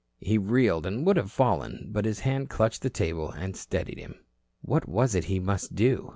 He reeled and would have fallen, but his hand clutched the table and steadied him. What was it he must do?